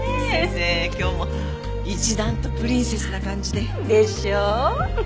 先生今日は一段とプリンセスな感じで。でしょう？